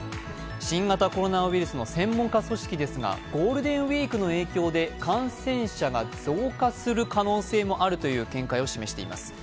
新型コロナウイルスの専門家組織ですが、ゴールデンウイークの影響で感染者が増加する可能性もあるという見解を示しています。